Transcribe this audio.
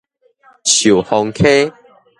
壽豐溪